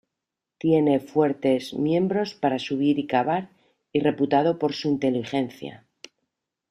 Tiene fuertes miembros para subir y cavar, y reputado por su inteligencia.